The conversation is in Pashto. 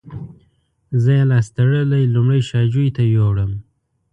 زه یې لاس تړلی لومړی شا جوی ته یووړم.